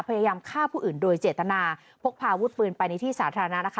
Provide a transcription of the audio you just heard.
พยายามฆ่าผู้อื่นโดยเจตนาพกพาวุฒิปืนไปในที่สาธารณะนะคะ